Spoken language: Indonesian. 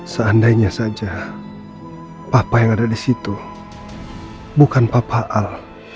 seandainya saja apa yang ada di situ bukan papa al